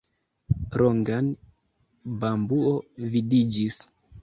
Longan bambuo vidiĝis.